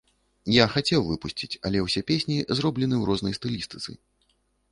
Я хацеў выпусціць, але ўсе песні зроблены ў рознай стылістыцы.